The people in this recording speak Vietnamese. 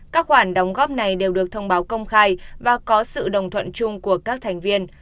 các khoản đóng góp này đều được thông báo công khai và có sự đồng thuận chung của các thành viên